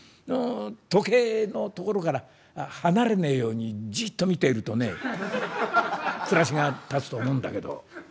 時計の所から離れねえようにじっと見ているとね暮らしが立つと思うんだけど」。